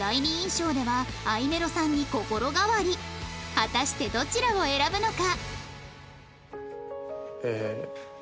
果たしてどちらを選ぶのか？